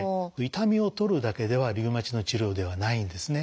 痛みを取るだけではリウマチの治療ではないんですね。